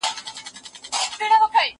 دا خواړه له هغو تازه دي!!